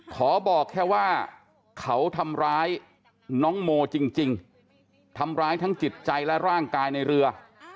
ขอบอกแค่ว่าเขาทำร้ายน้องโมจริงทำร้ายทั้งจิตใจและร่างกายในเรือ